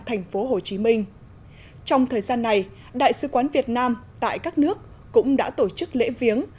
thành phố hồ chí minh trong thời gian này đại sứ quán việt nam tại các nước cũng đã tổ chức lễ viếng